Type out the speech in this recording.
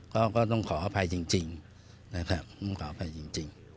ก็ต้องขออภัยจริง